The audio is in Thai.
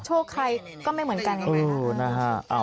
ก็โชคเขาค่ะก็ไม่เหมือนกัน